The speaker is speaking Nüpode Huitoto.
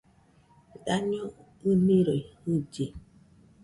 Daño ɨnɨroi jɨlli